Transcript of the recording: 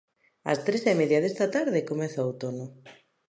Ás tres e media desta tarde comeza o outono.